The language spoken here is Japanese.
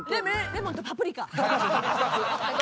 レモンとパプリカ。